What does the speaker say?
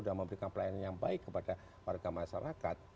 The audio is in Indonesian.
dan memberikan pelayanan yang baik kepada warga masyarakat